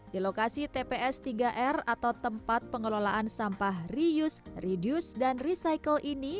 di lokasi tps tiga r atau tempat pengelolaan sampah reuse reduce dan recycle ini